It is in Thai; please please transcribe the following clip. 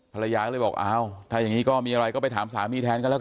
ภรรยาก็เลยบอกอ้าวถ้าอย่างนี้ก็มีอะไรก็ไปถามสามีแทนกันแล้วกัน